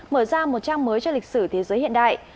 mở ra một trang mới cho lịch sử thế giới hiện đại